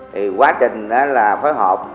thì quá trình đó là phối hợp